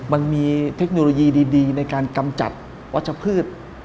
มันมีเทคโนโลยีดีในการกำจัดวัชพืช